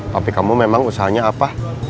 tapi kamu memang usahanya apa